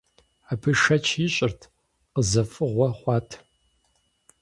Абы шэч ишӏырт, къызэфыгъуэ хъуат.